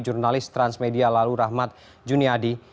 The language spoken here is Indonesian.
jurnalis transmedia lalu rahmat juniadi